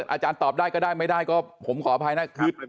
อาจารย์ตอบได้ไม่ได้ผมขออภัยนะ